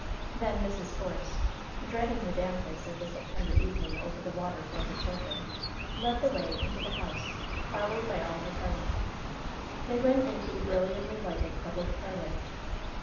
Then Mrs. Force, dreading the dampness of the September evening over the water for her children, led the way into the house, followed by all her party. They went into the brilliantly lighted public parlor.